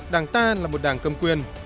đảng ta là một đảng cầm quyền